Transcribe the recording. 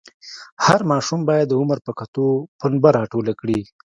هر ماشوم باید د عمر په کتو پنبه راټوله کړي.